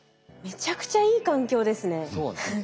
めちゃくちゃいい環境ですね。